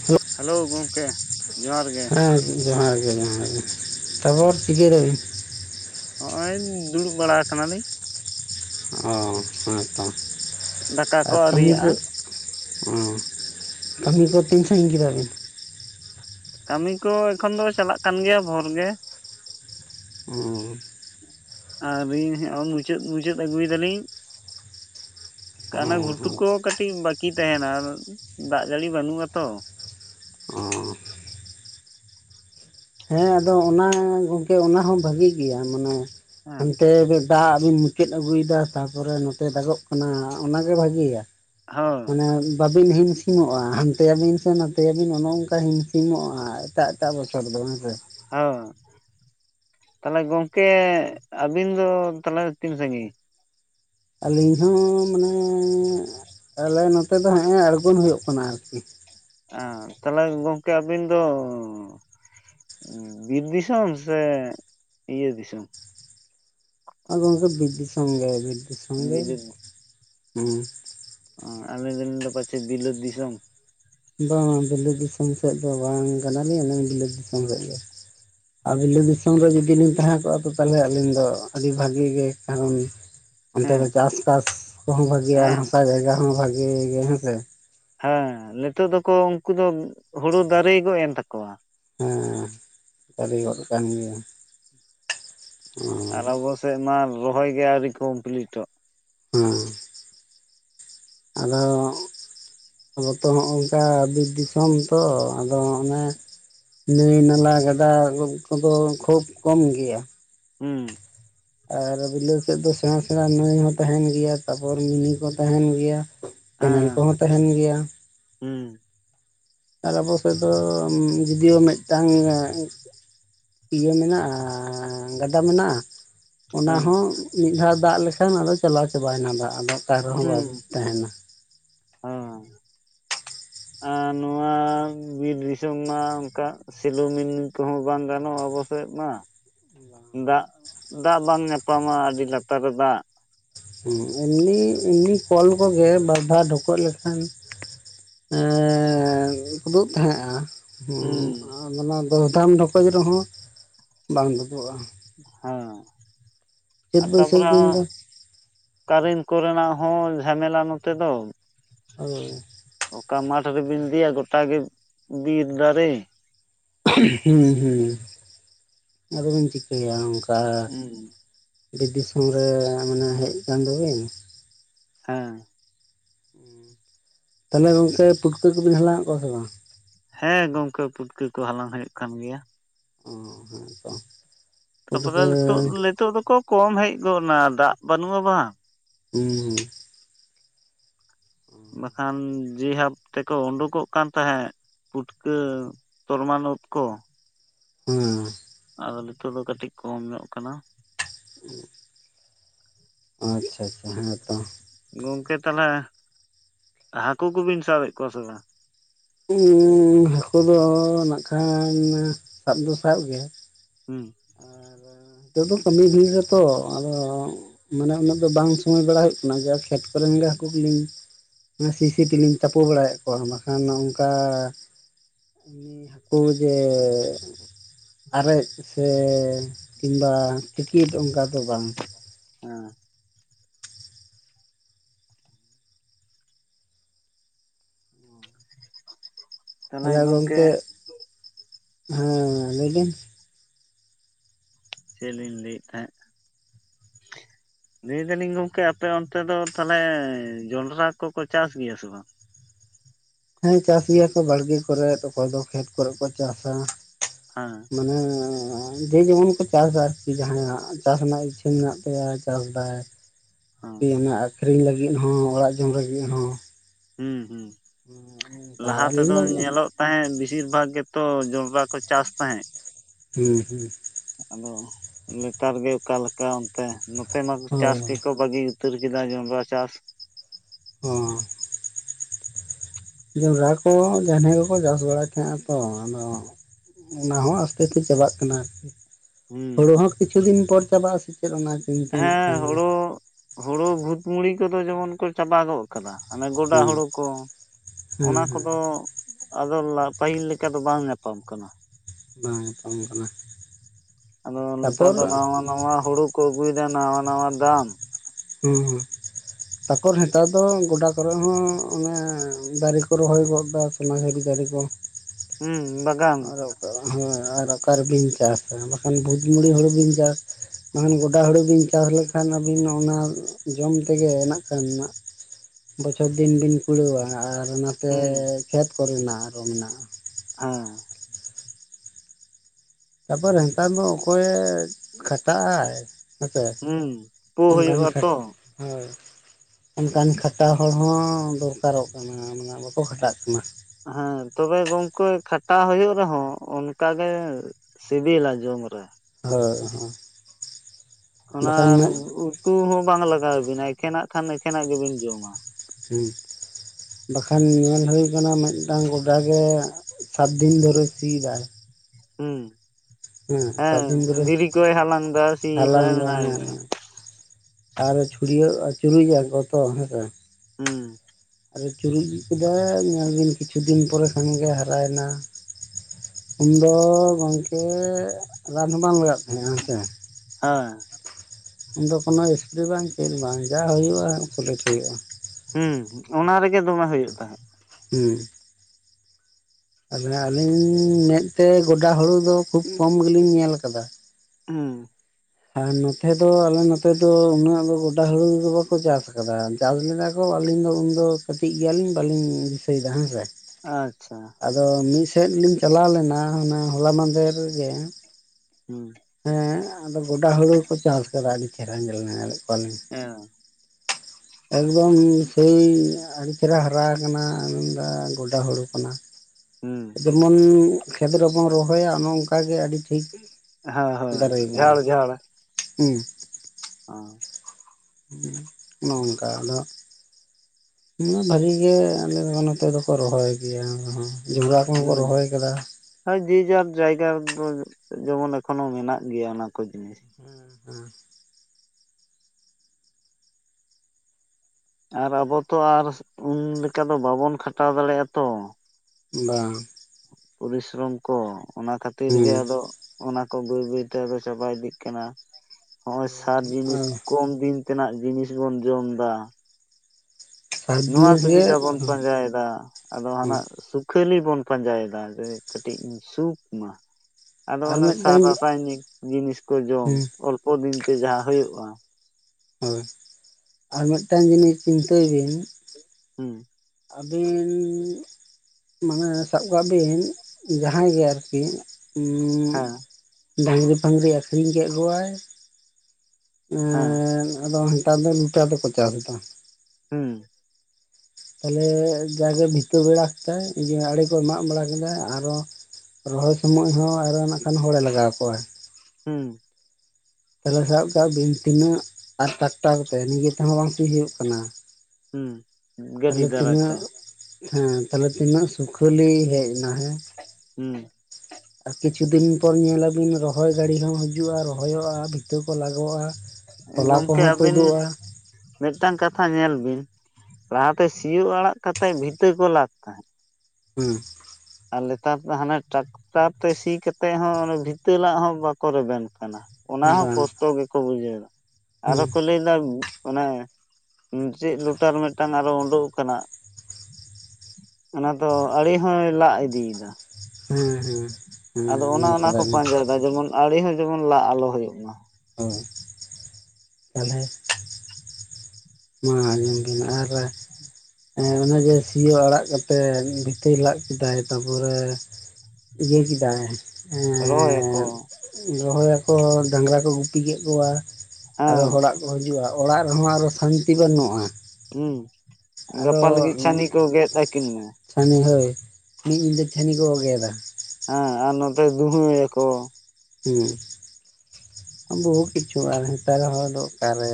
[inaudible] Hello ᱜᱚᱢᱠᱮ ᱡᱚᱸᱦᱟᱨ ᱜᱮ᱾ ᱦᱮᱸ ᱡᱚᱸᱦᱟᱨ ᱜᱮ ᱡᱚᱸᱦᱟᱨ ᱜᱮ᱾ ᱛᱟᱯᱚᱨ ᱪᱤᱠᱟᱹᱭ ᱫᱵᱤᱱ? ᱦᱚᱜᱼᱚᱭ ᱫᱩᱲᱩᱵ ᱵᱟᱲᱟ ᱟᱠᱟᱱᱟᱞᱤᱧ᱾ ᱚ ᱦᱮᱸ ᱛᱚ ᱫᱟᱠᱟ ᱠᱚ ᱟᱨ ᱠᱟᱹᱢᱤ ᱟᱹᱣᱨᱤᱭᱟᱜᱼᱟ ᱫᱚ ᱚ ᱠᱟᱹᱢᱤ ᱠᱚ ᱛᱤᱱ ᱥᱟᱺᱜᱤᱧ ᱠᱮᱫᱟ ᱵᱤᱱ? ᱠᱟᱹᱢᱤ ᱠᱚ ᱮᱠᱷᱚᱱ ᱫᱚ ᱪᱟᱞᱟᱜ ᱠᱟᱱ ᱜᱮᱭᱟ ᱵᱷᱳᱨ ᱜᱮ᱾ ᱚ᱾ ᱟᱣᱨᱤ ᱦᱚᱸᱜ-ᱚ ᱢᱩᱪᱟᱹᱫ ᱢᱩᱪᱟᱹᱫ ᱟᱹᱜᱩᱭ ᱫᱟᱞᱤᱧ᱾ ᱠᱟ ᱥᱱᱟ ᱜᱷᱩᱴᱩ ᱠᱚ ᱠᱟᱹᱴᱤᱡ ᱵᱟᱠᱤ ᱛᱟᱦᱮᱱᱟ᱾ ᱫᱟᱜ ᱡᱟᱹᱲᱤ ᱵᱟᱹᱱᱩᱜ-ᱟ ᱛᱚ᱾ ᱦᱮᱸ ᱟᱫᱚ ᱚᱱᱟ ᱜᱚᱝᱠᱮ ᱚᱱᱟ ᱦᱚᱸ ᱵᱷᱟᱜᱤ ᱜᱮᱭᱟ ᱢᱟᱱᱮ ᱦᱮᱸ ᱦᱟᱱᱛᱮ ᱫᱚ ᱞᱟᱦᱟᱜ ᱵᱤᱱ ᱢᱩᱪᱟᱹᱫ ᱟᱹᱜᱩᱭᱮᱫᱟ ᱛᱟᱯᱚᱨᱮ ᱱᱚᱛᱮ ᱫᱟᱜᱚᱜ ᱠᱟᱱᱟ ᱚᱱᱟᱱᱟᱜᱮ ᱵᱷᱟᱜᱮᱤᱭᱟ᱾ ᱦᱳᱭ ᱢᱟᱱᱮᱼᱼ ᱵᱟᱵᱤᱱ ᱦᱤᱢᱤᱥᱢᱚᱜᱼᱟ ᱦᱟᱱᱛᱮᱭᱟ ᱵᱤᱱ ᱥᱮ ᱱᱟᱛᱮᱭᱟ ᱵᱤᱱ ᱚᱱᱮ ᱚᱱᱠᱟ ᱦᱤᱢ ᱥᱤᱢᱚᱜᱼᱟ᱾ ᱮᱴᱟᱜ ᱮᱴᱟᱜ ᱵᱚᱪᱷᱚᱨ ᱫᱚ ᱦᱮᱸ ᱥᱮ ᱦᱚ ᱛᱟᱦᱚᱞᱮ ᱜᱚᱝᱠᱮ ᱟᱹᱵᱤᱱ ᱫᱚ ᱛᱟᱦᱚᱞᱮ ᱛᱤᱱ ᱥᱟᱹᱜᱤᱧ? ᱟᱹᱞᱤᱧ ᱦᱚᱸ ᱢᱟᱱᱮ ᱟᱞᱮ ᱱᱚᱛᱮ ᱫᱚ ᱦᱟᱸᱜ ᱟᱬᱜᱚᱱ ᱦᱩᱭᱩᱜ ᱠᱟᱱᱟ ᱟᱨᱠᱤ᱾ ᱛᱟᱦᱚᱞᱮ ᱜᱚᱝᱠᱮ ᱟᱹᱵᱤᱱ ᱫᱚᱼᱼ ᱵᱤᱨ ᱫᱤᱥᱚᱢ ᱥᱮ ᱤᱭᱟᱹ ᱫᱤᱥᱚᱢ? ᱦᱚᱭ ᱜᱚᱢᱠᱮ ᱵᱤᱨ ᱫᱤᱥᱚᱢ ᱜᱮ ᱵᱤᱨ ᱫᱤᱥᱚᱢ ᱜᱮ ᱦᱮᱸ ᱵᱤᱞᱟᱹᱛ ᱚ ᱟᱞᱮ ᱫᱚᱞᱮ ᱯᱟᱪᱮᱫ ᱵᱤᱞᱟᱹᱚᱛ ᱫᱤᱥᱚᱢ? ᱵᱟᱝᱟ ᱵᱤᱞᱟᱹᱛ ᱫᱤᱥᱚᱢ ᱥᱮᱫ ᱫᱚ ᱵᱟᱝ ᱠᱟᱱᱟᱞᱤᱧ ᱟᱹᱞᱤᱧ ᱵᱤᱞᱟᱹᱛ ᱫᱤᱥᱚᱢ ᱥᱮᱫ ᱜᱮ᱾ ᱟ ᱵᱞᱮ ᱫᱤᱥᱚᱢ ᱨᱮ ᱡᱩᱫᱤ ᱞᱤᱧ ᱛᱟᱦᱮᱸ ᱠᱚᱜᱼᱟ ᱛᱚ ᱛᱟᱦᱚᱞᱮ ᱟᱹᱞᱤᱧ ᱫᱚ ᱟᱹᱰᱤ ᱵᱷᱟᱜᱤ ᱜᱮ ᱠᱟᱨᱚᱱᱼᱼ [inaudible] ᱚᱱᱛᱮ ᱫᱚ ᱪᱟᱥᱵᱟᱥ ᱠᱚᱦᱚᱸ ᱵᱷᱟᱜᱤᱼᱟ ᱦᱮᱸ ᱦᱟᱥᱟ ᱡᱟᱭᱜᱟ ᱦᱚᱸ ᱵᱷᱟᱜᱤ ᱜᱮ ᱦᱮᱸᱥᱮ? ᱦᱮᱸ ᱱᱤᱛᱚᱜ ᱫᱚᱠᱚ ᱩᱱᱠᱩ ᱫᱚ ᱦᱩᱲᱩ ᱫᱟᱨᱮ ᱜᱚᱡ ᱮᱱ ᱛᱟᱠᱚᱣᱟ᱾ ᱦᱮᱸ ᱫᱟᱨᱮ ᱜᱚᱫ ᱠᱟᱱ ᱜᱮᱭᱟ᱾ ᱟᱨ ᱟᱵᱚ ᱥᱮᱫ ᱢᱟ ᱨᱚᱦᱚᱭ ᱜᱮ ᱟᱹᱣᱨᱤ ᱠᱚᱢᱯᱞᱤᱴᱚᱜ᱾ ᱦᱸᱻ ᱟᱫᱚᱻ ᱟᱵᱚ ᱛᱚ ᱚᱝᱠᱟ ᱵᱤᱨ ᱫᱤᱥᱚᱢ ᱛᱚ ᱟᱫᱚ ᱚᱱᱮᱼᱼ ᱱᱟᱹᱭ ᱱᱟᱞᱟ ᱜᱟᱰᱟ ᱠᱚᱫᱚ ᱠᱷᱩᱵ ᱠᱚᱢ ᱜᱮᱭᱟ᱾ ᱦᱩᱸᱻ ᱟᱨ ᱵᱤᱞᱟᱹᱛ ᱥᱮᱫ ᱫᱚ ᱥᱮᱬᱟ ᱥᱮᱬᱟ ᱱᱟᱹᱭ ᱦᱚᱸ ᱛᱟᱦᱮᱱ ᱜᱮᱭᱟ ᱛᱟᱨᱯᱚᱨ ᱢᱤᱱᱤ ᱠᱚ ᱛᱟᱦᱮᱱ ᱜᱮᱭᱟ᱾ ᱠᱮᱱᱮᱞ ᱠᱚᱦᱚᱸ ᱛᱟᱦᱮᱱ ᱜᱮᱭᱟ᱾ ᱦᱩᱸᱻ ᱟᱨ ᱟᱵᱚ ᱥᱮᱫ ᱫᱚ ᱡᱟᱫᱤᱭᱳ ᱢᱤᱫᱴᱟᱝᱼᱼ ᱤᱭᱟᱹ ᱢᱮᱱᱟᱜᱼᱟ ᱜᱟᱰᱟ ᱢᱮᱱᱟᱜᱼᱟ᱾ ᱦᱮᱸ ᱚᱱᱟᱦᱚᱸ ᱢᱤᱫ ᱫᱷᱟᱣ ᱫᱟᱜ ᱞᱮᱠᱷᱟᱱ ᱟᱫᱚ ᱪᱟᱞᱟᱣ ᱪᱟᱵᱟᱭᱮᱱᱟ ᱫᱟᱜ ᱟᱫᱚ ᱚᱠᱟ ᱨᱮᱦᱚᱸ ᱵᱟᱵ ᱛᱟᱦᱮᱱᱟ᱾ ᱦᱸᱻ ᱟᱨ ᱱᱚᱣᱟ ᱵᱤᱨ ᱫᱤᱥᱚᱢ ᱢᱟ ᱚᱱᱠᱟᱼᱼ ᱥᱮᱞᱩ ᱢᱤᱱᱤ ᱠᱚᱦᱚᱸ ᱵᱟᱝ ᱜᱟᱱᱚᱜᱼᱟ ᱟᱵᱚᱥᱮᱫ ᱢᱟ᱾ ᱫᱟᱜ ᱫᱟᱜ ᱵᱟᱝ ᱧᱟᱯᱟᱢᱟ ᱟᱹᱰᱤ ᱞᱟᱛᱟᱨ ᱨᱮ ᱫᱟᱜᱼᱼ ᱮᱢᱞᱤ ᱮᱢᱞᱤ ᱠᱚᱞ ᱠᱚᱜᱮ ᱵᱟᱨᱫᱷᱟ ᱰᱷᱩᱠᱟᱹᱜ ᱞᱮᱠᱷᱟᱱᱼᱼ ᱩᱫᱩᱜ ᱛᱟᱦᱮᱸᱜᱼᱟ᱾ ᱦ ᱦᱩᱸ ᱟᱫᱚ ᱚᱱᱟ ᱫᱚ ᱫᱟᱢ ᱰᱷᱚᱠᱚᱡ ᱨᱮᱦᱚᱸ ᱵᱟᱝ ᱰᱩᱵᱟᱹᱜᱼᱟ᱾ ᱦᱮᱸ ᱪᱟᱹᱛ ᱟᱨ ᱵᱟᱹᱭᱥᱟᱹᱠᱷ ᱛᱟᱯᱚᱨᱮᱼᱼ ᱫᱤᱱ ᱫᱚ ᱠᱟᱨᱮᱱ ᱠᱚᱨᱮᱱᱟᱜ ᱦᱚᱸ ᱡᱷᱟᱢᱮᱞᱟ ᱱᱚᱛᱮ ᱫᱚᱼᱼ ᱚᱻ ᱚᱠᱟ ᱢᱟᱴᱷ ᱨᱮᱵᱤᱱ ᱤᱫᱤᱭᱟ ᱜᱚᱴᱟ ᱜᱮ ᱵᱤᱨ ᱫᱟᱨᱮᱼᱼ ᱦᱮᱸ ᱦᱮᱸ ᱟᱫᱚᱵᱮᱧ ᱪᱤᱠᱟᱹᱭᱟ ᱚᱱᱠᱟᱼᱼ ᱦᱩᱸ ᱵᱤᱨ ᱫᱤᱥᱚᱢ ᱨᱮ ᱢᱟᱱᱮ ᱦᱮᱡ ᱟᱠᱟᱱ ᱫᱚ ᱵᱤᱱ᱾ ᱦᱮᱸᱻ ᱛᱟᱦᱚᱞᱮ ᱜᱚᱝᱠᱮ ᱯᱩᱴᱠᱟᱹ ᱠᱚᱵᱤᱱ ᱦᱟᱸᱞᱟᱮᱫ ᱠᱚᱣᱟ ᱥᱮ ᱵᱟᱝ? ᱦᱮᱸ ᱜᱚᱝᱠᱮ ᱯᱩᱴᱠᱟᱹ ᱠᱚ ᱦᱟᱞᱟᱝ ᱦᱩᱭᱩᱜ ᱠᱟᱱ ᱜᱮᱭᱟ᱾ ᱚ ᱦᱮᱸ ᱛᱚ᱾ ᱯᱩᱴᱠᱟᱹ ᱛᱟᱯᱚᱨᱮ ᱱᱤᱛᱚᱜ ᱱᱤᱛᱚᱜ ᱫᱚᱠᱚ ᱠᱚᱢ ᱦᱮᱡ ᱜᱚᱫ ᱮᱱᱟ, ᱫᱟᱜ ᱵᱟᱹᱱᱩᱜᱼᱟ ᱵᱟᱝ ᱾ ᱦᱩᱸ ᱦᱩᱸ᱾ ᱵᱟᱝᱠᱷᱟᱱ ᱡᱮ ᱵᱷᱟᱵ ᱛᱮᱠᱚ ᱩᱰᱩᱠᱚᱜ ᱠᱟᱱ ᱛᱟᱦᱮᱸᱫ᱾ ᱯᱩᱴᱠᱟᱹ ᱛᱚᱨᱢᱟᱞ ᱩᱛ ᱠᱚ ᱾ ᱦᱩᱸ ᱾ ᱟᱫᱚ ᱱᱤᱛᱚᱜ ᱫᱚ ᱠᱟᱹᱴᱤᱡ ᱠᱚᱢ ᱧᱚᱜ ᱠᱟᱱᱟ᱾ [inaudible] ᱟᱪᱪᱷᱟ ᱟᱪᱪᱷᱟ, ᱦᱮᱸ ᱛᱚ᱾ ᱜᱚᱝᱠᱮ ᱛᱟᱦᱚᱞᱮ ᱦᱟᱹᱠᱩ ᱠᱚᱵᱤᱱ ᱥᱟᱵᱮᱫ ᱠᱚᱣᱟ ᱥᱮ ᱵᱟᱝ? ᱦᱟᱹᱠᱩ ᱫᱚ ᱱᱟᱜ ᱠᱷᱟᱱ, ᱥᱟᱵ ᱫᱚ ᱥᱟᱵ ᱜᱮ ᱾ ᱦᱩᱸ᱾ ᱱᱤᱛᱚᱜ ᱫᱚ ᱠᱟᱹᱢᱤ ᱤᱫᱤ ᱦᱳᱭᱳ ᱛᱚ ᱟᱫᱚ᱾ ᱢᱟᱱᱮ ᱩᱱᱟᱹᱜ ᱫᱚ ᱵᱟᱝ ᱥᱚᱢᱚᱭ ᱵᱟᱲᱟ ᱦᱩᱭᱩᱜ ᱠᱟᱱᱟ ᱾ ᱡᱟ ᱠᱷᱮᱛ ᱠᱚᱨᱮᱱ ᱜᱮ ᱦᱟᱹᱠᱩ ᱠᱚᱞᱤᱧ ᱥᱤᱥᱤ ᱛᱮᱞᱤᱧ ᱪᱟᱯᱚ ᱵᱟᱲᱟᱭᱮᱫ ᱠᱚᱣᱟ, ᱵᱟᱠᱷᱟᱱ ᱚᱱᱠᱟ ᱩᱱᱤ ᱦᱟᱹᱠᱩ ᱡᱮ, ᱟᱨᱮᱡ ᱥᱮ ᱠᱤᱝᱵᱟ ᱴᱤᱠᱤᱴ ᱚᱱᱠᱟ ᱫᱚ ᱵᱟᱝ ᱾ ᱦᱮᱸ᱾ ᱛᱟᱦᱞᱮ ᱜᱚᱝᱠᱮ, ᱦᱮᱸ ᱞᱟᱹᱭᱵᱤᱱ? ᱪᱮᱫ ᱞᱤᱧ ᱞᱟᱹᱭᱮᱫ ᱛᱟᱦᱮᱸᱫ ᱾ ᱞᱟᱹᱭ ᱫᱟᱞᱤᱧ ᱜᱚᱝᱠᱮ ᱟᱯᱮ ᱚᱱᱛᱮ ᱫᱚ ᱛᱟᱦᱚᱞᱮ, ᱡᱚᱱᱰᱨᱟ ᱠᱚᱠᱚ ᱪᱟᱥ ᱜᱮᱭᱟ ᱥᱮ ᱵᱟᱝ ᱾ ᱦᱮᱸ ᱪᱟᱥ ᱜᱮᱭᱟ ᱠᱚ ᱵᱟᱲᱜᱮ ᱠᱚᱨᱮᱫ, ᱚᱠᱚᱭ ᱫᱚ ᱠᱷᱮᱛ ᱠᱚᱨᱮ ᱠᱚ ᱪᱟᱥᱟ᱾ ᱦᱮᱸ ᱢᱟᱱᱮ ᱡᱮ ᱡᱮᱢᱚᱱ ᱠᱚ ᱪᱟᱥᱟ ᱟᱨᱠᱤ ᱡᱟᱸᱦᱟᱭᱟᱜ, ᱪᱟᱥ ᱨᱮᱭᱟᱜ ᱤᱪᱪᱷᱟᱹ ᱢᱮᱱᱟᱜ ᱛᱟᱭᱟ ᱪᱟᱥ ᱫᱟᱭ ᱾ ᱦᱮᱸ ᱠᱤ ᱚᱱᱟ ᱟᱹᱠᱷᱨᱤᱧ ᱞᱟᱹᱜᱤᱫ ᱦᱚᱸ, ᱚᱲᱟᱜ ᱡᱚᱢ ᱞᱟᱹᱜᱤᱫ ᱦᱚᱸ᱾ ᱦᱩᱸ ᱦᱩᱸ᱾ ᱚᱱᱠᱟ ᱞᱟᱦᱟ ᱟᱞᱤᱝ ᱛᱮᱫᱚ ᱫᱚ ᱧᱮᱞᱚᱜ ᱛᱟᱦᱮᱸᱫ ᱵᱮᱥᱤᱨ ᱵᱷᱟᱜᱽ ᱜᱮᱛᱚ, ᱡᱚᱱᱰᱨᱟ ᱠᱚ ᱪᱟᱥ ᱛᱟᱦᱮᱸᱫ᱾ ᱦᱩᱸ ᱦᱩᱸ᱾ ᱟᱫᱚ ᱱᱮᱛᱟᱨ ᱜᱮ ᱚᱠᱟᱞᱮᱠᱟ ᱚᱱᱛᱮ, ᱱᱚᱛᱮ ᱢᱟ ᱪᱟᱥ ᱦᱳᱭ ᱜᱮᱠᱚ ᱵᱟᱹᱜᱤ ᱾ ᱛᱟᱹᱨ ᱠᱮᱫᱟᱭ ᱡᱚᱸᱱᱰᱨᱟ ᱪᱟᱥ ᱾ ᱦᱚᱸ ᱾ ᱡᱚᱱᱰᱨᱟ ᱠᱚ ᱡᱟᱱᱦᱮ ᱠᱚᱠᱚ ᱪᱟᱥ ᱵᱟᱲᱟ ᱠᱮᱫᱟ ᱛᱚ᱾ ᱟᱫᱚ ᱚᱱᱟ ᱦᱚᱸ ᱟᱥᱛᱮ ᱟᱥᱛᱮ ᱪᱟᱵᱟᱜ ᱠᱟᱱᱟ ᱟᱨᱠᱤ ᱾ ᱦᱩᱸ ᱦᱩᱲᱩ ᱦᱚᱸ ᱠᱤᱪᱷᱩ ᱫᱤᱱ ᱯᱚᱨ ᱪᱟᱵᱟᱜ-ᱟ ᱥᱮ ᱪᱮᱫ ᱚᱱᱟ ᱜᱮ? ᱦᱮᱸ ᱦᱳᱲᱳ, ᱦᱳᱲᱳ ᱵᱷᱩᱛ ᱢᱩᱲᱤ ᱠᱚᱫᱚ ᱡᱮᱢᱚᱱ ᱠᱚ ᱪᱟᱵᱟ ᱜᱚᱫ ᱠᱟᱫᱟ᱾ ᱦᱟᱱᱮ ᱜᱚᱰᱟ ᱦᱩᱲᱩ ᱠᱚ, ᱦᱮᱸ ᱚᱱᱟ ᱦᱮᱸ ᱠᱚᱫᱚ ᱟᱫᱚ ᱯᱟᱹᱦᱤᱞ ᱞᱮᱠᱟ ᱫᱚ ᱵᱟᱝ ᱧᱟᱯᱟᱢ ᱠᱟᱱᱟ᱾ ᱵᱟᱝ ᱧᱟᱯᱟᱢ ᱠᱟᱱᱟ ᱟᱫᱚ ᱱᱮᱛᱟᱨ ᱛᱟᱯᱚᱨ ᱫᱚ ᱦᱮᱸ ᱱᱟᱣᱟ ᱱᱟᱣᱟ ᱦᱩᱲᱩ ᱾ ᱯᱩᱭᱫᱚ ᱱᱟᱣᱟ ᱱᱟᱣᱟ ᱫᱟᱢ ᱾ ᱦᱩᱸ ᱦᱩᱸ᱾ ᱛᱟᱨᱯᱚᱨ ᱱᱮᱛᱟᱨ ᱫᱚ ᱜᱚᱰᱟ ᱠᱚᱨᱮᱜ ᱦᱚᱸ, ᱚᱱᱮ ᱫᱟᱨᱮ ᱠᱚ ᱨᱚᱦᱚᱭ ᱜᱚᱫ ᱮᱫᱟ᱾ [unintelligible] ᱫᱟᱨᱮ ᱠᱚ ᱾ ᱦᱩᱸ ᱵᱟᱝ ᱟᱨ ᱦᱚ ᱟᱨ ᱚᱠᱟᱨᱵᱤᱱ ᱪᱟᱥᱟ᱾ ᱵᱟᱠᱷᱟᱱ ᱵᱷᱳᱛ ᱢᱩᱲᱤ ᱦᱩᱲᱩ ᱵᱤᱱ ᱪᱟᱥ ᱵᱟᱠᱷᱟᱱ ᱜᱳᱰᱟ ᱦᱩᱲᱩ ᱵᱤᱱ ᱪᱟᱥ ᱞᱮᱠᱷᱟᱱ, ᱟᱹᱵᱤᱱ ᱚᱱᱟ ᱡᱚᱢ ᱛᱮᱜᱮ ᱦᱮᱱᱟᱜ ᱠᱷᱟᱱ ᱱᱟᱜ ᱵᱚᱪᱷᱚᱨ ᱫᱤᱱ ᱵᱤᱱ ᱠᱩᱲᱟᱹᱣᱟ᱾ ᱟᱨ ᱱᱟᱛᱮ ᱦᱩᱸ ᱠᱷᱮᱛ ᱠᱚᱨᱮᱱᱟᱜ ᱟᱨᱚ ᱢᱮᱱᱟᱜ-ᱟ᱾ ᱦᱮᱸ ᱛᱟᱯᱚᱨ ᱱᱮᱛᱟᱨ ᱫᱚ ᱚᱠᱚᱭᱮ ᱠᱷᱟᱴᱟᱜ ᱟᱭ᱾ ᱦᱮᱸᱥᱮ ᱦᱩᱸ ᱯᱳ ᱚᱱᱠᱟᱱ ᱦᱩᱭᱩᱜᱼᱟ ᱛᱚ [inaudible] ᱦᱳᱭ, ᱚᱱᱠᱟᱱ ᱠᱷᱟᱴᱟᱣ ᱦᱚᱲ ᱦᱚᱸ ᱫᱚᱨᱠᱟᱨᱚᱜ ᱠᱟᱱᱟ, ᱢᱟᱱᱮ ᱵᱟᱠᱚ ᱠᱷᱟᱴᱟᱜ ᱠᱟᱱᱟ᱾ ᱦᱮᱸ ᱛᱚᱵᱮ ᱜᱚᱝᱠᱮ ᱠᱷᱟᱴᱟᱣ ᱦᱩᱭᱩᱜ ᱨᱮᱦᱚᱸ ᱚᱱᱠᱟ ᱜᱮ, ᱥᱤᱵᱤᱞᱟ ᱡᱚᱢ ᱨᱮ, ᱦᱳᱭ [inaudible] ᱚᱱᱟ ᱢᱮᱫ ᱩᱛᱩ ᱦᱚᱸ ᱵᱟᱝ ᱞᱟᱜᱟᱣ ᱟᱹᱵᱤᱱᱟ ᱮᱠᱷᱮᱱᱟᱜ ᱠᱷᱟᱱ ᱮᱠᱷᱮᱱᱟᱜ ᱜᱮ ᱵᱤᱱ ᱡᱚᱢᱟ᱾ [inaudible] ᱵᱟᱠᱷᱟᱱ ᱧᱮᱞ ᱦᱩᱭ ᱠᱟᱱᱟ ᱢᱤᱫᱴᱟᱝ ᱜᱚᱰᱟ ᱜᱮ ᱥᱟᱛᱫᱤᱱ ᱫᱷᱚᱨᱮ ᱥᱤ ᱮᱫᱟᱭ᱾ ᱦᱩᱸ ᱥᱟᱛ ᱦᱮᱸ ᱫᱤᱱ ᱫᱷᱚᱨᱮ ᱫᱷᱤᱨᱤ ᱠᱚᱭ ᱦᱟᱞᱟᱝ ᱮᱫᱟᱭ ᱥᱤ ᱦᱟᱞᱟᱝ ᱮᱫᱟᱭ ᱢᱮᱱᱟᱭ ᱜᱮ, ᱟᱨ ᱪᱷᱩᱲᱭᱟᱹᱣ ᱟᱹᱪᱩᱨᱮᱡᱟ ᱠᱚᱛᱚ ᱦᱮᱸ ᱥᱮ᱾ ᱦᱩᱸ ᱟᱨ ᱪᱩᱨᱩᱡ ᱤᱫᱤ ᱠᱮᱫᱟᱭ ᱧᱮᱞ ᱵᱤᱱ ᱠᱤᱪᱷᱩ ᱫᱤᱱ ᱯᱚᱨᱮ ᱠᱷᱟᱱᱜᱮ ᱦᱟᱨᱟᱭᱮᱱᱟ᱾ ᱩᱱ ᱫᱚ ᱜᱚᱝᱠᱮ ᱨᱟᱱ ᱦᱚᱸ ᱵᱟᱝ ᱞᱟᱜᱟᱜ ᱛᱟᱸᱦᱮᱜ-ᱟ, ᱦᱮᱸᱥᱮ᱾ [inaudible] ᱩᱱᱫᱚ ᱠᱳᱱᱳ ᱥᱯᱨᱮ ᱵᱟᱝ ᱪᱮᱫ ᱵᱟᱝ ᱡᱟ ᱦᱳᱭᱳᱜ-ᱟ ᱥᱩᱞᱟᱹᱴ ᱦᱳᱭᱳᱜ-ᱟ᱾ ᱦᱩᱸ ᱚᱱᱟ ᱨᱮᱜᱮ ᱫᱚᱢᱮ ᱦᱩᱭᱩᱜ ᱛᱟᱸᱦᱮᱫ ᱾ ᱦᱩᱸ ᱟᱹᱞᱤᱧ ᱢᱮᱫ ᱛᱮ ᱜᱚᱰᱟ ᱦᱩᱲᱩ ᱫᱚ ᱠᱷᱩᱵ ᱠᱚᱢ ᱜᱮᱞᱤᱧ ᱧᱮᱞ ᱟᱠᱟᱫᱟ᱾ ᱦᱩᱸ ᱟᱨ ᱱᱚᱛᱮ ᱫᱚ ᱟᱞᱮ ᱱᱚᱛᱮ ᱫᱚ ᱩᱱᱟᱹᱜ ᱫᱚ ᱜᱚᱰᱟ ᱦᱩᱲᱩ ᱫᱚ ᱵᱟᱠᱚ ᱪᱟᱥ ᱟᱠᱟᱫᱟ᱾ ᱪᱟᱥ ᱞᱮᱫᱟ ᱠᱚ ᱟᱹᱞᱤᱧ ᱫᱚ ᱩᱱᱫᱚ ᱠᱟᱹᱴᱤᱡ ᱜᱮᱭᱟᱞᱤᱧ ᱵᱟᱞᱤᱧ ᱫᱤᱥᱟᱹᱭᱮᱫᱟ ᱦᱮᱸ ᱥᱮ᱾ ᱟᱪᱪᱷᱟ, ᱟᱫᱚ ᱢᱤᱫ ᱥᱮᱫ ᱞᱤᱧ ᱪᱟᱞᱟᱣ ᱞᱮᱱᱟ ᱚᱱᱟ ᱦᱚᱞᱟ ᱢᱟᱫᱷᱮᱨ ᱜᱮ, [inaudible] ᱦᱮᱸ ᱟᱫᱚ ᱜᱚᱰᱟ ᱦᱩᱲᱩ ᱠᱚ ᱪᱟᱥ ᱟᱠᱟᱫᱟ, ᱟᱹᱰᱤ ᱪᱮᱦᱨᱟ ᱧᱮᱞ ᱧᱟᱢᱮᱫ ᱠᱚᱣᱟᱞᱤᱧ᱾ ᱦᱮᱸ ᱮᱠᱫᱚᱢ ᱥᱮᱭ, ᱟᱹᱰᱤ ᱪᱮᱦᱨᱟ ᱦᱟᱨᱟ ᱟᱠᱟᱱᱟ ᱢᱮᱱ ᱮᱫᱟ ᱜᱚᱰᱟ ᱦᱳᱲᱳ ᱠᱟᱱᱟ᱾ ᱦᱩᱸ ᱡᱮᱢᱚᱱ ᱠᱷᱮᱛ ᱨᱮᱵᱚᱱ ᱨᱚᱦᱚᱭᱟ ᱚᱱᱮ ᱚᱱᱠᱟ ᱜᱮ ᱟᱹᱰᱤ ᱴᱷᱤᱠ, ᱦᱮᱸ ᱦᱮᱸ ᱡᱷᱟᱲ ᱡᱷᱟᱲ, ᱦᱩ, ᱚ ᱱᱚᱝᱠᱟ ᱟᱫᱚ᱾ [inaudible] ᱵᱷᱟᱜᱤ ᱜᱮ ᱟᱞᱮ ᱫᱚ ᱱᱚᱛᱮ ᱫᱚᱠᱚ ᱨᱚᱦᱚᱭ ᱜᱮᱭᱟ, ᱦᱚᱸ ᱡᱚᱸᱰᱨᱟ ᱠᱚᱦᱚᱸ ᱠᱚ ᱦᱩᱸ ᱨᱚᱦᱚᱭ ᱟᱠᱟᱫᱟ᱾ ᱦᱳᱭ ᱡᱮ ᱡᱟᱨ ᱡᱟᱭᱜᱟ ᱫᱚ ᱡᱮᱢᱚᱱ ᱮᱠᱷᱚᱱᱳ ᱢᱮᱱᱟᱜ ᱜᱮᱭᱟ ᱚᱱᱟ ᱠᱚ ᱡᱤᱱᱤᱥ᱾ ᱦᱮᱸ ᱦᱮᱸ ᱟᱨ ᱟᱵᱚ ᱛᱚ ᱟᱨ ᱩᱱ ᱞᱮᱠᱟ ᱫᱚ ᱵᱟᱵᱚᱱ ᱠᱷᱟᱴᱟᱣ ᱫᱟᱲᱮᱭᱟᱜᱼᱟ ᱛᱚ᱾ ᱵᱟᱝ ᱯᱚᱨᱤᱥᱨᱚᱢ ᱠᱚ ᱚᱱᱟ ᱠᱷᱟᱹᱛᱤᱨ ᱜᱮ ᱦᱩᱸ ᱟᱫᱚ ᱚᱱᱟ ᱠᱚ ᱵᱟᱹᱭ ᱵᱟᱹᱭ ᱛᱮ ᱟᱫᱚ ᱪᱟᱵᱟ ᱤᱫᱤᱜ ᱠᱟᱱᱟ, ᱱᱚᱜ ᱚᱭ ᱥᱟᱨ ᱡᱤᱱᱤᱥ ᱠᱚᱢ ᱫᱤᱱ ᱛᱮᱱᱟᱜ ᱡᱤᱱᱤᱥ ᱵᱚᱱ ᱡᱚᱢ ᱮᱫᱟ᱾ ᱥᱟᱛ ᱱᱚᱣᱟ ᱫᱤᱱ ᱨᱮ ᱥᱩᱵᱤᱫᱟ ᱵᱚᱱ ᱯᱟᱸᱡᱟᱭᱮᱫᱟ, ᱟᱫᱚ ᱦᱟᱱᱟ ᱥᱩ ᱠᱷᱟᱹᱞᱤ ᱵᱚᱱ ᱯᱟᱸᱡᱟᱭᱮᱫᱟ ᱡᱮ ᱠᱟᱹᱴᱤᱡ ᱤᱧ ᱥᱩᱠ ᱢᱟ᱾ ᱟᱫᱚ ᱟᱨ ᱚᱱᱮ ᱥᱟᱨ ᱢᱤᱫᱴᱟᱝ ᱨᱟᱥᱟᱭᱱᱤᱠ ᱡᱤᱱᱤᱥ ᱠᱚ ᱡᱚᱢ, ᱦᱩᱸ ᱚᱞᱯᱚ ᱫᱤᱱ ᱛᱮ ᱡᱟᱦᱟᱸ ᱦᱳᱭᱳᱜᱼᱟ, ᱦᱳᱭ, ᱟᱨ ᱢᱤᱫᱴᱟᱝ ᱡᱤᱱᱤᱥ ᱪᱤᱱᱛᱟᱹᱭ ᱵᱤᱱ ᱦᱩᱸ ᱾ ᱟᱹᱵᱤᱱᱻ ᱢᱟᱱᱮ ᱥᱟᱵ ᱠᱟᱜ ᱵᱤᱱ ᱡᱟᱦᱟᱸᱭ ᱜᱮ ᱟᱨᱠᱤ ᱩᱸᱻ ᱦᱮᱸ ᱰᱟᱝᱨᱤ ᱯᱷᱟᱝᱨᱤ ᱟᱠᱷᱨᱤᱧ ᱠᱮᱜ ᱠᱚᱣᱟᱭ, ᱦᱮᱸ ᱮᱸᱻᱫ ᱟᱫᱚ ᱱᱮᱛᱟᱨ ᱫᱚ ᱞᱩᱴᱟᱨ ᱛᱮᱠᱚ ᱪᱟᱥ ᱫᱟ ᱾ ᱦᱩᱸ ᱾ ᱛᱟᱦᱞᱮ ᱡᱟᱜᱮ ᱵᱷᱤᱛᱟᱹ ᱵᱮᱲᱟ ᱠᱮᱫᱟᱭ, ᱤᱭᱟᱹ ᱟᱲᱮ ᱠᱚᱭ ᱢᱟᱜ ᱵᱟᱲᱟ ᱠᱮᱫᱟᱭ ᱟᱨᱚ ᱨᱚᱦᱚᱭ ᱥᱚᱢᱚᱡ ᱦᱚᱸ ᱟᱨᱚ ᱱᱟᱜ ᱠᱷᱟᱱ ᱦᱚᱲᱮ ᱞᱟᱜᱟᱣ ᱠᱚᱣᱟᱭ ᱾ ᱦᱩᱸ ᱾ ᱛᱟᱦᱞᱮ ᱥᱟᱵ ᱠᱟᱜ ᱵᱤᱱ ᱛᱤᱱᱟᱹᱜ ᱟᱨ ᱴᱟᱠᱴᱟᱨ ᱠᱚᱛᱮ ᱱᱤᱡᱮ ᱛᱮᱦᱚᱸ ᱵᱟᱝ ᱥᱤ ᱦᱩᱭᱩᱜ ᱠᱟᱱᱟ᱾ ᱦᱩᱸ ᱜᱟᱹᱰᱤ ᱛᱟᱦᱚᱞᱮ ᱫᱟᱨᱟᱭ ᱛᱮ ᱛᱤᱱᱟᱹᱜ ᱦᱮᱸ ᱛᱟᱦᱚᱞᱮ ᱛᱤᱱᱟᱹᱜ ᱥᱩᱠᱷᱟᱹᱞᱤ ᱦᱮᱡ ᱮᱱᱟ ᱦᱮᱸ! ᱦᱩᱸ ᱾ ᱟᱨ ᱠᱤᱪᱷᱩ ᱫᱤᱱ ᱯᱚᱨ ᱧᱮᱞᱟᱵᱤᱱ ᱨᱚᱦᱚᱭ ᱜᱟᱹᱲᱤ ᱦᱚᱸ ᱦᱤᱡᱩᱜᱼᱟ, ᱨᱚᱦᱚᱭᱚᱜᱼᱟ, ᱵᱷᱤᱛᱟᱹ ᱠᱚ ᱞᱟᱜᱟᱣᱟ, ᱛᱚᱞᱟ ᱜᱚᱝᱠᱮ ᱠᱚᱦᱚᱸ ᱟᱵᱤᱱ ᱛᱳᱫᱳᱜᱼᱟ᱾ ᱢᱤᱫᱴᱟᱝ ᱠᱟᱛᱷᱟ ᱧᱮᱞ ᱵᱤᱱ ᱞᱟᱦᱟᱛᱮ ᱥᱤᱭᱳᱜ ᱟᱲᱟᱜ ᱠᱟᱛᱮᱜ ᱵᱷᱤᱛᱟᱹ ᱠᱚ ᱞᱟᱜ ᱛᱟᱦᱮᱸᱫ᱾ ᱦᱮᱸ ᱾ ᱟᱨ ᱞᱮᱛᱟᱨ ᱫᱚ ᱦᱟᱱᱮ ᱴᱟᱠᱴᱟᱨ ᱛᱮ ᱥᱤ ᱠᱟᱛᱮᱫ ᱦᱚᱸ ᱚᱱᱮ ᱵᱷᱤᱛᱟᱹ ᱞᱟᱜ ᱦᱚᱸ ᱵᱟᱠᱚ ᱨᱮᱵᱮᱱ ᱠᱟᱱᱟ᱾ ᱚᱱᱟ ᱦᱚᱸ ᱵᱟᱝ ᱠᱚᱥᱴᱚ ᱜᱮᱠᱚ ᱵᱩᱡᱷᱟᱹᱣ ᱫᱟ, ᱟᱨᱚ ᱦᱮᱸ ᱠᱚ ᱞᱟᱹᱭ ᱫᱟ ᱚᱱᱮ ᱪᱮᱫ ᱞᱚᱴᱟᱨ ᱢᱤᱫᱴᱟᱝ ᱟᱨᱚ ᱳᱸᱰᱳᱜ ᱠᱟᱱᱟ! ᱚᱱᱟ ᱫᱚ ᱟᱲᱮ ᱦᱚᱸᱭ ᱞᱟᱜ ᱤᱫᱤᱭᱮᱫᱟ᱾ ᱦᱮᱸ ᱦᱮᱸ ᱾ ᱟᱫᱚ ᱚᱱᱟ ᱚᱱᱟ ᱠᱚ ᱯᱟᱸᱡᱟᱭᱮᱫᱟ ᱡᱮᱢᱚᱱ ᱟᱲᱮ ᱦᱚᱸ ᱡᱮᱢᱚᱱ ᱞᱟᱜ ᱟᱞᱚ ᱦᱳᱭᱳᱜ ᱢᱟ᱾ ᱚ, ᱛᱟᱦᱚᱞᱮ ᱢᱟ ᱟᱸᱡᱚᱢ ᱵᱤᱱ ᱟᱨ ᱮᱸ ᱚᱱᱮ ᱡᱮ ᱥᱤᱭᱳᱜ ᱟᱲᱟᱜ ᱠᱟᱛᱮᱫ ᱵᱷᱤᱛᱟᱹᱭ ᱞᱟᱜ ᱠᱮᱫᱟᱭ, ᱛᱟᱯᱚᱨᱮ ᱤᱭᱟᱹ ᱠᱮᱫᱟᱭ ᱨᱚᱦᱚᱭᱟ ᱠᱚ ᱾ ᱨᱚᱦᱚᱭᱟ ᱠᱚ, ᱰᱟᱝᱨᱟ ᱠᱚ ᱜᱩᱯᱤ ᱠᱮᱫ ᱠᱚᱣᱟ, ᱟᱫᱚ ᱦᱮᱸ ᱦᱚᱲᱟᱜ ᱠᱚ ᱦᱤᱡᱩᱜᱼᱟ ᱚᱲᱟᱜ ᱨᱮᱦᱚᱸ ᱟᱨᱚ ᱥᱟᱱᱛᱤ ᱵᱟᱹᱱᱩᱜᱼᱟ ᱾ ᱦᱩᱸ, ᱜᱟᱯᱟ ᱞᱟᱹᱜᱤᱫ ᱪᱷᱟᱹᱱᱤ ᱠᱚ ᱜᱮᱫ ᱟᱹᱠᱤᱱ ᱢᱮ᱾ ᱪᱷᱟᱱᱤ ᱦᱳᱭ ᱢᱤᱫ ᱧᱤᱫᱟᱹ ᱪᱷᱟᱹᱱᱤ ᱠᱚ ᱜᱮᱫᱟ ᱾ ᱦᱮᱸ ᱟᱨ ᱱᱚᱛᱮ ᱫᱩᱦᱟᱹᱣ ᱟᱠᱚ, ᱦᱮᱸ ᱾ ᱵᱚᱦᱩ ᱠᱤᱪᱷᱩ ᱟᱨ ᱦᱮᱛᱟᱨ ᱦᱚᱲ ᱫᱚ ᱚᱠᱟᱨᱮ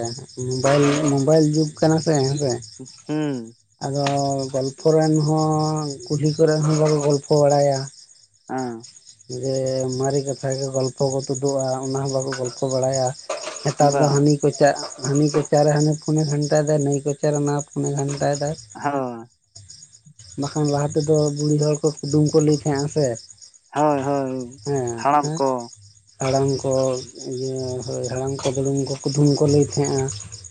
ᱢᱚᱵᱟᱭᱤᱞ ᱢᱳᱵᱟᱭᱤᱞ ᱡᱩᱜᱽ ᱠᱟᱱᱟ ᱥᱮ ᱦᱮᱸᱥᱮ᱾ ᱦᱩᱸ ᱾ ᱟᱫᱚ ᱜᱚᱞᱯᱷᱚ ᱨᱮᱱ ᱦᱚᱸ ᱠᱩᱞᱦᱤ ᱠᱚᱨᱮᱫ ᱦᱚᱸ ᱵᱟᱠᱚ ᱜᱚᱞᱯᱷᱚ ᱵᱟᱲᱟᱭᱟ ᱾ ᱦᱮᱸ ᱡᱮ ᱢᱟᱨᱮ ᱠᱟᱛᱷᱟ ᱜᱮ ᱜᱚᱞᱯᱚ ᱠᱚ ᱛᱳᱫᱳᱜᱼᱟ ᱚᱱᱟ ᱦᱚᱸ ᱵᱟᱠᱚ ᱜᱚᱞᱯᱷᱚ ᱵᱟᱲᱟᱭᱟ ᱾ ᱦᱮᱛᱟᱨ ᱫᱚ ᱵᱟᱝ ᱦᱟᱱᱤ ᱠᱚᱪᱟᱜ ᱦᱟᱹᱱᱤ ᱠᱚᱪᱟᱨᱮ ᱦᱟᱱᱤ ᱯᱷᱩᱱᱮ ᱜᱷᱟᱱᱴᱟᱭ ᱫᱟ, ᱱᱟᱹᱭ ᱠᱚᱪᱟᱨᱮ ᱱᱟᱣᱟ ᱯᱷᱩᱱᱮ ᱜᱷᱟᱱᱴᱟᱭ ᱫᱟᱭ ᱾ ᱦᱳᱻ ᱵᱟᱠᱷᱟᱱ ᱞᱟᱦᱟ ᱛᱮᱫᱚ ᱵᱩᱲᱦᱤ ᱦᱚᱲ ᱠᱚ ᱠᱩᱫᱩᱢ ᱠᱚ ᱞᱟᱹᱭ ᱛᱟᱦᱮᱸ-ᱟ ᱥᱮ᱾ ᱦᱳᱭ ᱦᱳᱭ ᱦᱮᱸ ᱦᱟᱲᱟᱢ ᱠᱚ ᱟᱨ ᱦᱟᱲᱟᱢ ᱠᱚ ᱤᱭᱟᱹ ᱦᱳᱭ ᱦᱟᱲᱟᱢ ᱠᱚ ᱫᱩᱲᱩᱢ ᱠᱚ ᱠᱩᱫᱷᱩᱢ ᱠᱚ ᱞᱟᱹᱭ ᱛᱷᱮᱸᱜ-ᱟ᱾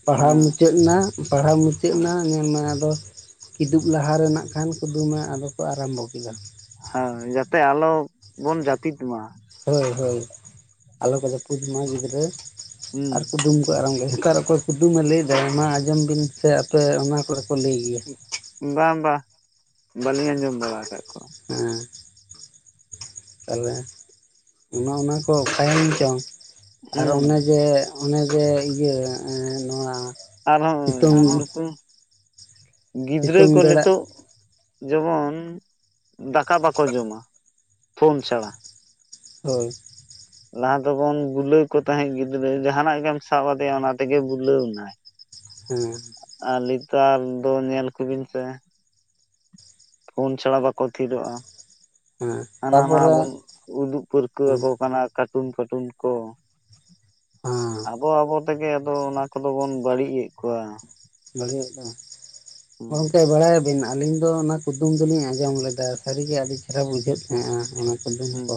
ᱯᱟᱲᱦᱟᱣ ᱦᱮᱸ ᱢᱩᱪᱟᱹᱫᱱᱟ ᱯᱟᱲᱦᱟᱣ ᱢᱩᱪᱟᱹᱫᱱᱟ ᱦᱮᱸ ᱧᱮᱞ ᱢᱮ ᱟᱫᱚ ᱠᱤᱫᱩᱵ ᱞᱟᱦᱟ ᱨᱮ ᱱᱟᱜᱠᱷᱟᱱ ᱠᱩᱫᱩᱢᱮ ᱟᱫᱚ ᱠᱚ ᱟᱨᱟᱢᱵᱚ ᱠᱮᱫᱟ᱾ ᱦᱟᱣ ᱡᱟᱛᱮ ᱟᱞᱚ ᱵᱚᱱ ᱡᱟᱹᱯᱤᱫ ᱢᱟ᱾ ᱦᱳᱭ ᱦᱳᱭ ᱟᱞᱚ ᱠᱚ ᱡᱟᱹᱯᱩᱫ ᱢᱟ ᱜᱤᱫᱽᱨᱟᱹ ᱦᱩᱸ ᱟᱨ ᱠᱩᱫᱩᱢ ᱟᱨ ᱥᱢ ᱜᱮ ᱦᱮᱠᱟᱨ ᱚᱠᱚᱭ ᱠᱩᱫᱩᱢᱮ ᱞᱟᱹᱭᱫᱟᱭ ᱢᱟ ᱟᱸᱡᱚᱢ ᱵᱤᱱ ᱥᱮ ᱟᱯᱮ ᱚᱱᱟ ᱠᱚᱨᱮ ᱠᱚ ᱞᱟᱹᱭ ᱜᱮᱭᱟ᱾ ᱵᱟᱝ ᱵᱟᱦ ᱵᱟᱞᱤᱧ ᱟᱸᱡᱚᱢ ᱵᱟᱲᱟ ᱟᱠᱟᱫ ᱠᱚᱣᱟ᱾ ᱦᱮᱸ᱾ ᱛᱟᱞᱦᱮ ᱚᱱᱟ ᱚᱱᱟᱠᱚ ᱚᱠᱟᱭᱮᱱ ᱪᱚᱝ ᱟᱨ ᱦᱩᱸ ᱚᱱᱮ ᱡᱮ ᱚᱱᱮ ᱡᱮ ᱤᱭᱟᱹ ᱮᱸ ᱱᱚᱣᱟ ᱟᱨᱦᱚᱸ ᱥᱤᱛᱩᱝ ᱱᱩᱠᱩ ᱜᱤᱫᱽᱨᱟᱹ ᱥᱤᱛᱩᱝ ᱠᱚ ᱵᱮᱲᱟ ᱞᱤᱛᱚᱜ ᱡᱮᱢᱚᱱ ᱫᱟᱠᱟ ᱵᱟᱠᱚ ᱡᱚᱢᱟ ᱯᱷᱳᱱ ᱪᱷᱟᱲᱟ᱾ ᱦᱳᱭ᱾ ᱞᱟᱦᱟ ᱫᱚᱵᱚᱱ ᱵᱩᱞᱟᱹᱣ ᱠᱚ ᱛᱟᱦᱮᱸᱫ ᱜᱤᱫᱽᱨᱟᱹ ᱡᱟᱦᱟᱸᱱᱟᱜ ᱜᱮᱢ ᱥᱟᱵ ᱟᱫᱮᱭᱟ ᱚᱱᱟ ᱛᱮᱜᱮ ᱵᱩᱞᱟᱹᱣ ᱮᱱᱟᱭ᱾ ᱦᱮᱸ᱾ ᱟᱨ ᱞᱤᱛᱟᱨ ᱫᱚ ᱧᱮᱞ ᱠᱩᱵᱤᱱ ᱥᱮ ᱯᱷᱳᱱ ᱪᱷᱟᱲᱟ ᱵᱟᱠᱚ ᱛᱷᱤᱨᱚᱜ-ᱟ᱾ ᱦᱮᱸ ᱦᱟᱱᱟ ᱱᱟᱣᱟ ᱛᱟᱯᱚᱨᱮ ᱵᱚᱱ ᱩᱫᱩᱜ ᱦᱮᱸ ᱯᱟᱹᱨᱠᱟᱹᱣᱟᱠᱚ ᱠᱟᱱᱟ᱾ ᱠᱟᱴᱩᱱ ᱯᱷᱟᱹᱴᱩᱱ ᱠᱚ᱾ ᱟᱵᱚ ᱟᱵᱚ ᱛᱮᱜᱮ ᱟᱫᱚ ᱚᱱᱟ ᱠᱚᱫᱚ ᱵᱚᱱ ᱵᱟᱹᱲᱤᱡ ᱮᱜ ᱠᱚᱣᱟ᱾ ᱵᱟᱹᱲᱤᱡᱚᱜ ᱠᱟᱱ᱾ ᱦᱩᱸ ᱜᱚᱝᱠᱮ ᱵᱟᱲᱟᱭ ᱟᱞᱤᱧ ᱫᱚ ᱚᱱᱟ ᱠᱩᱫᱩᱢ ᱫᱚᱞᱤᱧ ᱟᱸᱡᱚᱢ ᱞᱮᱫᱟ ᱥᱟᱨᱤᱜᱮ ᱟᱰᱤ ᱪᱮᱦᱨᱟ ᱵᱩᱡᱷᱟᱹᱜ ᱛᱟᱦᱮᱸᱜ-ᱟ ᱚᱱᱟ ᱠᱩᱫᱩᱢ ᱦᱩᱸ ᱠᱚ᱾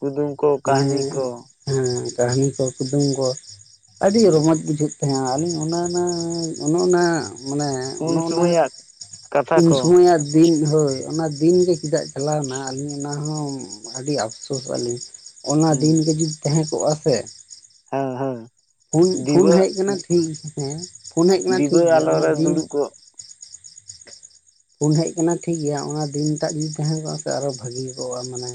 ᱠᱩᱫᱩᱢ᱾ ᱠᱚ ᱢᱟᱱᱮ ᱠᱟᱹᱦᱱᱤ ᱠᱚ ᱦᱮᱸ ᱠᱟᱦᱱᱤ ᱠᱚ ᱠᱩᱫᱩᱢ ᱠᱚ ᱟᱰᱤ ᱨᱚᱢᱚᱡᱽ ᱵᱩᱡᱷᱟᱹᱜ ᱛᱟᱦᱮᱸ-ᱟ᱾ ᱟᱞᱤᱧ ᱩᱱᱟᱹᱱᱟᱹ ᱚᱱᱮ ᱚᱱᱟ ᱢᱟᱱᱮ ᱩᱱ ᱚᱸᱱᱚ ᱚᱱᱟ ᱥᱚᱢᱚᱭᱟᱜ ᱠᱟᱛᱷᱟ ᱩᱱ ᱠᱚ ᱥᱚᱢᱚᱭᱟᱜ ᱫᱤᱱ ᱦᱳᱭ ᱚᱱᱟ ᱫᱤᱱᱜᱮ ᱪᱮᱫᱟᱜ ᱪᱟᱞᱟᱣᱱᱟ ᱟᱞᱤᱧ ᱚᱱᱟ ᱦᱚᱸ ᱟᱰᱤ ᱟᱯᱥᱳᱥᱚᱜ-ᱟ ᱞᱤᱧ᱾ ᱚᱱᱟ ᱦᱩᱸ ᱫᱤᱱᱜᱮ ᱡᱩᱫᱤ ᱛᱟᱦᱮᱸ ᱠᱚᱜ-ᱟ ᱥᱮ ᱦᱳ ᱦᱳᱭ᱾ ᱯᱷᱩᱱ ᱯᱷᱩᱱ ᱦᱮᱡ ᱟᱠᱟᱱᱟ ᱴᱷᱤᱠ ᱦᱮᱸ ᱯᱷᱩᱱ ᱦᱮᱡ ᱟᱠᱟᱱᱟ ᱰᱤᱵᱟᱹ ᱴᱷᱤᱠ ᱜᱮᱭᱟ ᱟᱞᱚ ᱚᱱᱟ ᱨᱮ ᱫᱤᱱ ᱫᱩᱲᱩᱵ ᱠᱚᱜ ᱯᱷᱩᱱ ᱦᱮᱡ ᱟᱠᱟᱱᱟ ᱴᱷᱤᱠ ᱜᱮᱭᱟ᱾ ᱚᱱᱟ ᱫᱤᱱᱴᱟᱜ ᱡᱩᱫᱤ ᱛᱟᱦᱮᱸ ᱠᱚᱜ-ᱟ ᱥᱮ ᱟᱨᱚ ᱵᱷᱟᱹᱜᱤ ᱠᱚᱜ-ᱟ ᱢᱟᱱᱮ᱾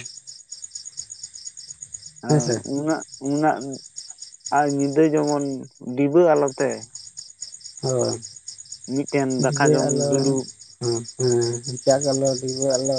ᱟᱣ ᱦᱮᱸᱥᱮ ᱩᱱᱟᱜ ᱩᱱᱟᱜ ᱟᱨ ᱧᱤᱫᱟᱹ ᱡᱮᱢᱚᱱ ᱰᱤᱵᱟᱹ ᱟᱞᱚᱛᱮ ᱦᱳᱭ᱾ ᱢᱤᱫᱴᱮᱱ ᱫᱟᱠᱟ ᱡᱚᱢ ᱫᱩᱞᱩᱵ᱾ ᱦᱚᱸ ᱦᱮᱸ ᱦᱮᱸᱪᱟᱠ ᱟᱞᱳ, ᱰᱤᱵᱟᱹ ᱟᱞᱳ᱾